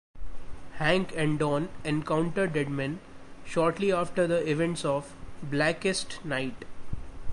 Hank and Dawn encounter Deadman shortly after the events of "Blackest Night".